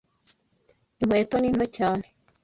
Inkweto ni nto cyane.